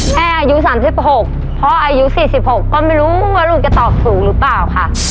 อายุ๓๖พ่ออายุ๔๖ก็ไม่รู้ว่าลูกจะตอบถูกหรือเปล่าค่ะ